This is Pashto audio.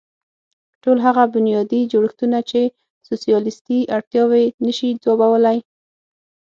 ټول هغه بنیادي جوړښتونه چې سوسیالېستي اړتیاوې نه شي ځوابولی.